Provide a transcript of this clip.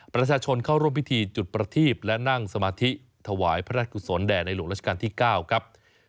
ประชาชนเข้าร่วมพิธีจุดประทีบและนั่งสมาธิถวายพระราชกุศลแด่นะครับ